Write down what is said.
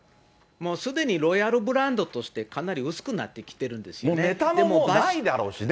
もうすでにロイヤルブランドとしてかなり薄くなってきてるんネタももうないだろうしね。